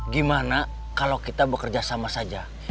gimana kalau kita bekerja sama saja